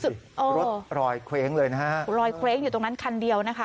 รถรอยเคว้งเลยนะฮะรอยเคว้งอยู่ตรงนั้นคันเดียวนะคะ